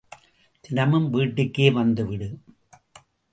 தினமும் வீட்டுக்கே வந்துவிடு.